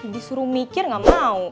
disuruh mikir nggak mau